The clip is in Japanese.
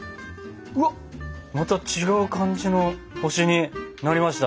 うわっまた違う感じの星になりました！